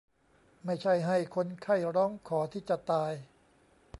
ไม่ใช่ให้คนไข้ร้องขอที่จะตาย